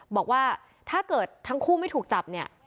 บอกว่าถ้าเกิดทั้งคู่ไม่ถูกจับเนี่ย